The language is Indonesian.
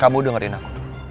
kamu dengerin aku